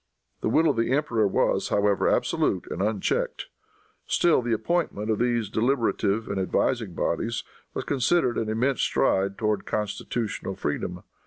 The will of the emperor was, however, absolute and unchecked. Still the appointment of these deliberative and advising bodies was considered an immense stride towards constitutional freedom.